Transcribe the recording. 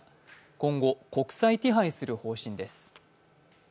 今後国際手配する方針です。